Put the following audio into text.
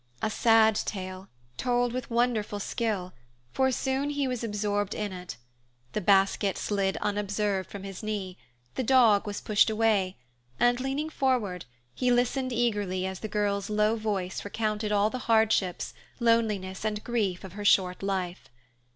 A sad tale, told with wonderful skill, for soon he was absorbed in it. The basket slid unobserved from his knee, the dog was pushed away, and, leaning forward, he listened eagerly as the girl's low voice recounted all the hardships, loneliness, and grief of her short life.